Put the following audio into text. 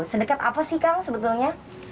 sedekat apa sih kang sebetulnya